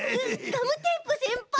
ガムテープせんぱい！